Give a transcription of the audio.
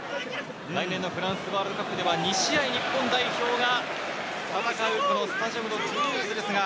来年のフランスワールドカップでは２試合、日本代表が戦うスタジアム・ド・トゥールーズです。